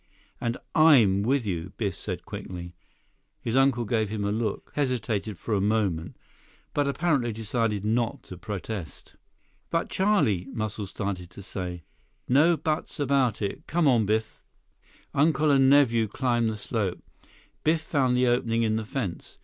"And I'm with you," Biff said quickly. His uncle gave him a look, hesitated for a moment, but apparently decided not to protest. "But Charlie—" Muscles started to say. "No buts about it. Come on, Biff." Uncle and nephew climbed the slope. Biff found the opening in the fence.